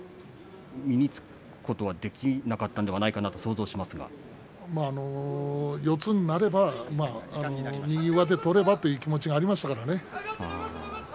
身につくことはできなかったので四つになれば右上手を取ればという気持ちがありましたからね。